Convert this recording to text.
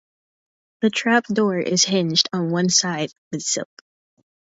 The trapdoor is hinged on one side with silk.